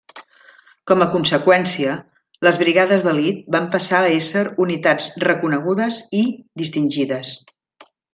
Com a conseqüència, les brigades d'elit van passar a ésser unitats reconegudes i distingides.